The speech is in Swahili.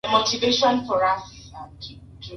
upungufu wa kinga mwilini unathiri uchumi wa watu nchini